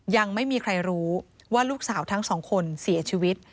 ยังไม่มีใครรู้ว่าลูกสาวทั้งสองคนเสียชีวิต